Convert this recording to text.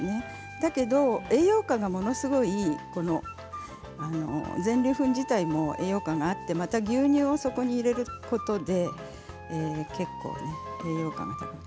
だけど栄養価がものすごい全粒粉自体も栄養価があってまた牛乳をそこに入れることによって結構、栄養価が高くなります。